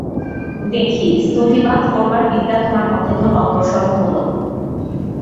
দেখি, স্তুতিবাদ করবার বিদ্যা তোমার কতদূর অগ্রসর হল।